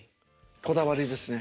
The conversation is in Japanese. こだわりですね。